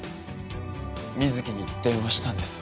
美月に電話したんです。